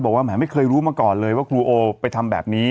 แหมไม่เคยรู้มาก่อนเลยว่าครูโอไปทำแบบนี้